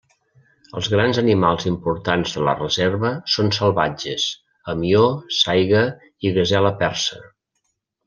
Els grans animals importants de la reserva són salvatges: hemió, saiga i gasela persa.